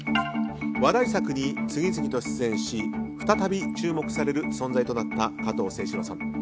話題作に次々と出演し再び注目される存在となった加藤清史郎さん。